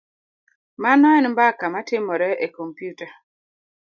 Mano en mbaka matimore e kompyuta.